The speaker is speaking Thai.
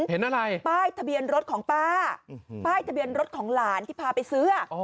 เห็นอะไรป้ายทะเบียนรถของป้าป้ายทะเบียนรถของหลานที่พาไปซื้อ